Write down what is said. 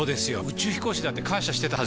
宇宙飛行士だって感謝してたはずです！